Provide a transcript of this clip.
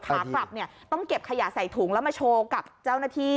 ขากลับเนี่ยต้องเก็บขยะใส่ถุงแล้วมาโชว์กับเจ้าหน้าที่